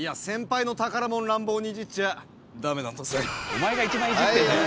お前が一番いじってんだよ。